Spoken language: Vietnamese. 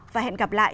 và hẹn gặp lại